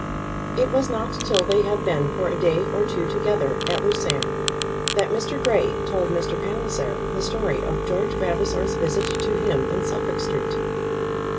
It was not till they had been for a day or two together at Lucerne that Mr. Grey told Mr. Palliser the story of George Vavasor's visit to him in Suffolk Street.